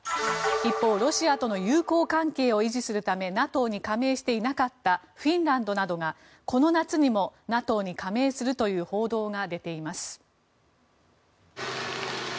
一方、ロシアとの友好関係を維持するためＮＡＴＯに加盟していなかったフィンランドなどがこの夏にもＮＡＴＯに加盟するという報道が出ています。